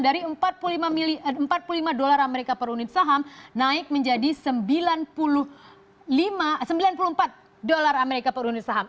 dari empat puluh lima dolar amerika per unit saham naik menjadi sembilan puluh empat dolar amerika per unit saham